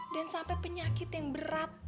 sampai penyakit yang berat